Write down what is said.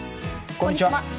こんにちは。